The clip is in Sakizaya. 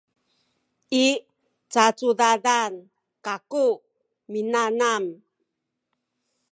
i cacudadan kaku minanam